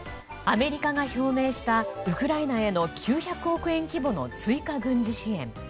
アメリカが表明したウクライナへの９００億円規模の追加軍事支援。